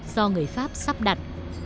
do người pháp sắp đặt